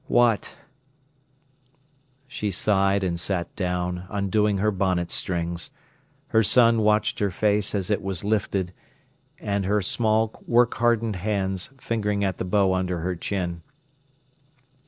"What?" She sighed and sat down, undoing her bonnet strings. Her son watched her face as it was lifted, and her small, work hardened hands fingering at the bow under her chin.